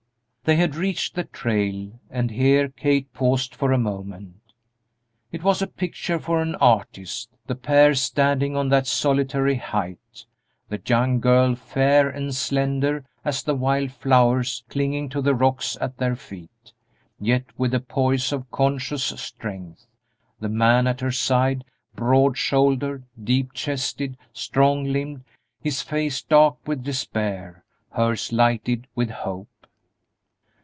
They had reached the trail, and here Kate paused for a moment. It was a picture for an artist, the pair standing on that solitary height! The young girl, fair and slender as the wild flowers clinging to the rocks at their feet, yet with a poise of conscious strength; the man at her side, broad shouldered, deep chested, strong limbed; his face dark with despair, hers lighted with hope.